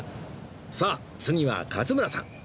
さあ次は勝村さん